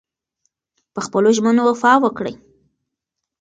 پخپلو ژمنو وفا وکړئ.